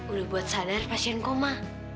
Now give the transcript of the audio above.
udah buat sadar pasien koma